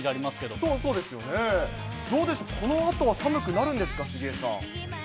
どうでしょう、このあとは寒くなるんですか、杉江さん。